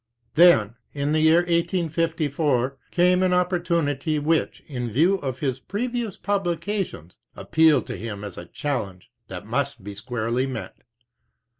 Then, in the year 1854, came an opportunity which, in view of his previous publications, appealed to him as a challenge that must be squarely met.